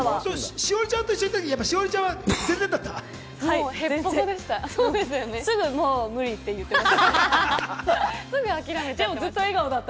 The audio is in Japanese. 栞里ちゃんと一緒の時、栞里ちゃんは全然だった。